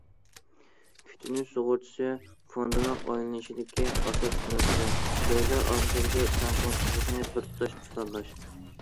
كۈتۈنۈش سۇغۇرتىسى فوندىنىڭ ئايلىنىشىدىكى ئاساسلىق مەسىلە جايلار ئارىسىدىكى تەڭپۇڭسىزلىقنى بىر تۇتاش پىلانلاش.